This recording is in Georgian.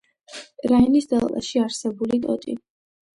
რაინის დელტაში არსებული ტოტი.